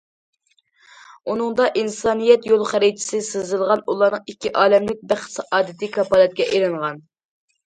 ئۇنىڭدا ئىنسانىيەت يول خەرىتىسى سىزىلغان، ئۇلارنىڭ ئىككى ئالەملىك بەخت- سائادىتى كاپالەتكە ئېلىنغان.